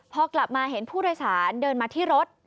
พอกลับมาเห็นผู้โดยสารเดินมาที่รถ